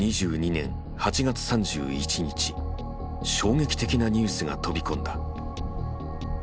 衝撃的なニュースが飛び込んだ。